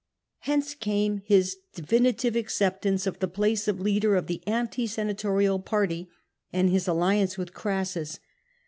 Hence came his definitive acceptance of the place of leader of the anti senatorial party, and his alliance with Orassus.